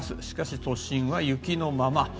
しかし、都心は雪のまま。